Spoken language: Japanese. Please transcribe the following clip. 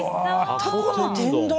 タコの天丼？